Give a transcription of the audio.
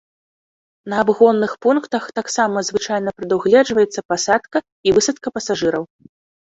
На абгонных пунктах таксама звычайна прадугледжваецца пасадка і высадка пасажыраў.